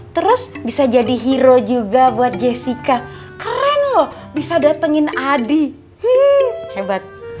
terus bisa jadi hero juga buat jessica keren loh bisa datengin adi hebat